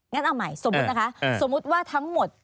เอาใหม่สมมุตินะคะสมมุติว่าทั้งหมด